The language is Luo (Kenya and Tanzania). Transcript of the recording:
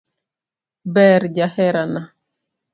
Ber jaherana.